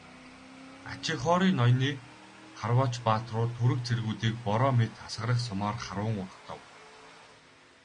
Ачигхори ноёны харваач баатрууд түрэг цэргүүдийг бороо мэт асгарах сумаар харван угтав.